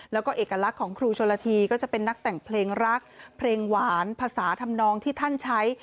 แล้วก็เอกลักษณ์ของครูชนละทีก็จะเป็นนักแต่งเพลงรักเพลงหวานภาษาทำนองที่ท่านใช้